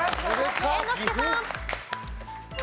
猿之助さん。